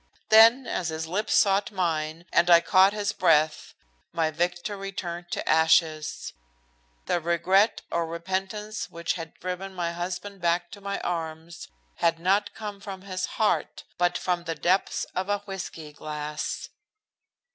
Then as his lips sought mine, and I caught his breath, my victory turned to ashes. The regret or repentance which had driven my husband back to my arms had not come from his heart but from the depths of a whiskey glass.